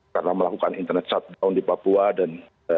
karena melakukan internet shutdown di papua dan